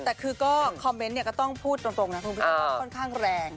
แต่คือก็คอมเมนต์เนี่ยก็ต้องพูดตรงนะคุณผู้ชมว่าค่อนข้างแรง